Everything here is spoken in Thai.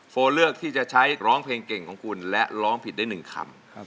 โอเลือกที่จะใช้ร้องเพลงเก่งของคุณและร้องผิดได้๑คำ